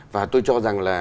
và tôi cho rằng là